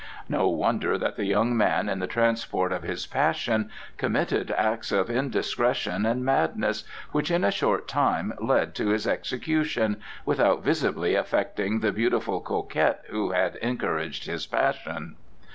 No wonder that the young man in the transport of his passion committed acts of indiscretion and madness, which in a short time led to his execution, without visibly affecting the beautiful coquette who had encouraged his passion.